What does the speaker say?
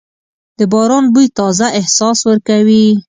د باران بوی تازه احساس ورکوي.